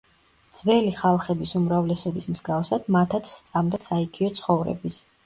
ძველი ხალხების უმრავლესობის მსგავსად მათაც სწამდათ საიქიო ცხოვრების.